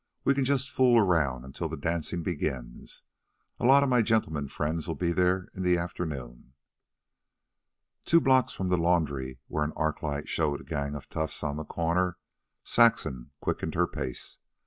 We can just fool around until the dancin' begins. A lot of my gentlemen friends'll be there in the afternoon." Two blocks from the laundry, where an arc light showed a gang of toughs on the corner, Saxon quickened her pace.